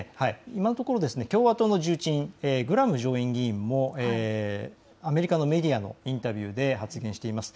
今のところ共和党の重鎮、グラム上院議員もアメリカのメディアのインタビューで発言しています。